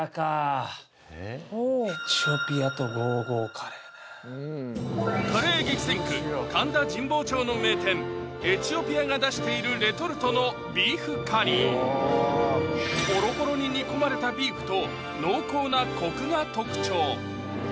エチオピアかぁカレー激戦区・神田神保町の名店エチオピアが出しているレトルトのビーフカリーほろほろに煮込まれたビーフと濃厚なコクが特徴